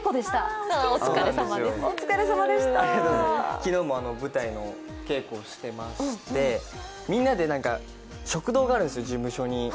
昨日も舞台の稽古をしてましてみんなで、食堂があるんでしよ、事務所に。